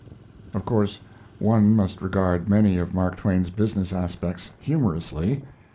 Of course, one must regard many of Mark Twain's business aspects humorously.